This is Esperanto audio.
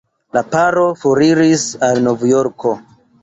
La paro foriris al Novjorko.